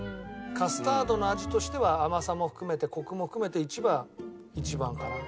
カスタードの味としては甘さも含めてコクも含めて１が一番かな。